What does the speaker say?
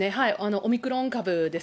オミクロン株です。